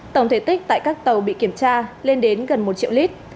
tổng thể tích tại các tàu bị kiểm tra lên đến gần một triệu lít